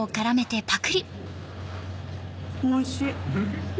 おいしい。